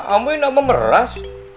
amri gak memeras